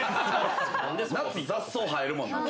夏、雑草が生えるもんな。